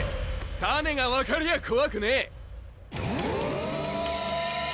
タネが分かりゃ怖くねえ！